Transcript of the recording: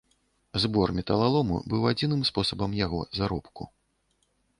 Збор металалому быў адзіным спосабам яго заробку.